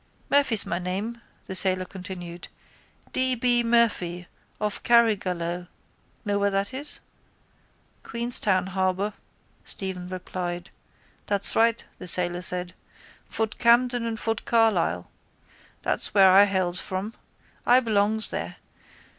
—Murphy's my name, the sailor continued. D. B. Murphy of Carrigaloe. Know where that is? —Queenstown harbour, Stephen replied. —That's right, the sailor said. Fort Camden and Fort Carlisle. That's where I hails from. I belongs there.